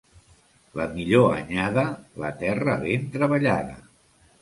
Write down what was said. La millor anyada, la terra ben treballada.